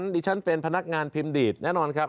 ดิฉันเป็นพนักงานพิมพ์ดีดแน่นอนครับ